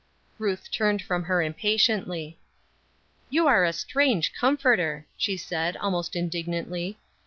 '" Ruth turned from her impatiently. "You are a strange comforter," she said, almost indignantly.